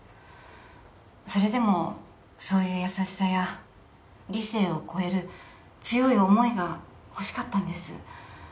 それでもそういう優しさや理性を超える強い思いがほしかったんです